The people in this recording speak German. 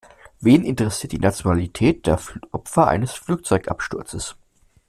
Wen interessiert die Nationalität der Opfer des Flugzeugabsturzes?